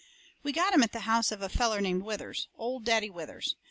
We got 'em at the house of a feller named Withers Old Daddy Withers.